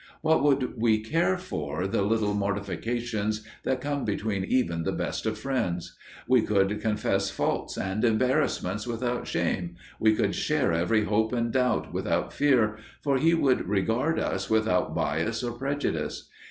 What would we care for the little mortifications that come between even the best of friends? We could confess faults and embarrassments without shame, we could share every hope and doubt without fear, for he would regard us without bias or prejudice.